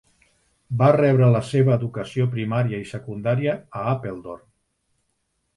Va rebre la seva educació primària i secundària a Apeldoorn.